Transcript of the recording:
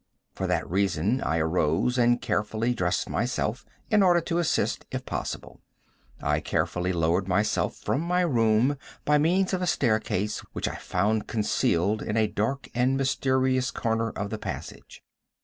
For that reason I arose and carefully dressed myself, in order to assist, if possible. I carefully lowered myself from my room, by means of a staircase which I found concealed in a dark and mysterious corner of the passage.